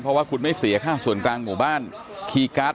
เพราะว่าคุณไม่เสียข้าส่วนกลางของเหตุการณ์